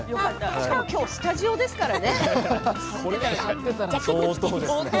しかもきょうはスタジオですからね。